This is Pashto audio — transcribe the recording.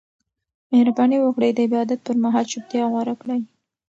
مهرباني وکړئ د عبادت پر مهال چوپتیا غوره کړئ.